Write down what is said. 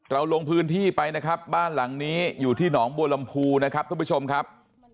ลงพื้นที่ไปนะครับบ้านหลังนี้อยู่ที่หนองบัวลำพูนะครับท่านผู้ชมครับ